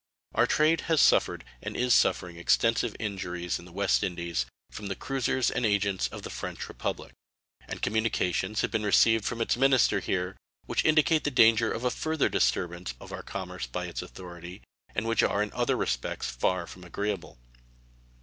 Our trade has suffered and is suffering extensive injuries in the West Indies from the cruisers and agents of the French Republic, and communications have been received from its minister here which indicate the danger of a further disturbance of our commerce by its authority, and which are in other respects far from agreeable.